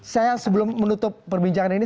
saya sebelum menutup perbincangan ini